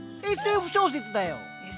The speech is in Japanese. ＳＦ小説だよ。